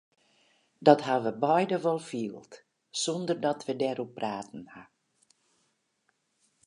Dat ha we beide wol field sonder dat we dêroer praten ha.